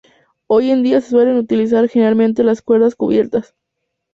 Hoy en día, se suelen utilizar generalmente las cuerdas cubiertas.